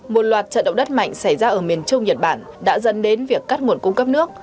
một loạt trận động đất mạnh xảy ra ở miền trung nhật bản đã dần đến việc cắt nguồn cung cấp nước